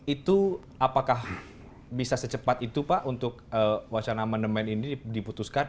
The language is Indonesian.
itu apakah bisa secepat itu pak untuk wacana amandemen ini diputuskan